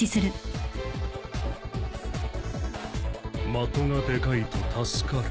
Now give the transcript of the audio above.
的がでかいと助かる。